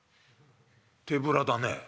手ぶらだね。